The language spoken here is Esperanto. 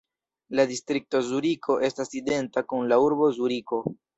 La distrikto Zuriko estas identa kun la urbo Zuriko.